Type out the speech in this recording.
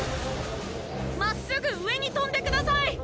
まっすぐ上にとんでください！